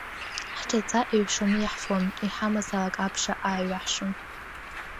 Ҳҿаҵа еиҩшаны иаҳфон, иҳамазаалак абжа ааиҩаҳшон.